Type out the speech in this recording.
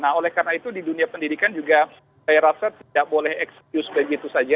nah oleh karena itu di dunia pendidikan juga saya rasa tidak boleh excuse begitu saja